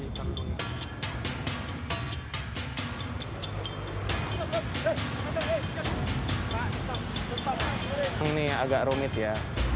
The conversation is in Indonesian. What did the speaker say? ini agak rumit ya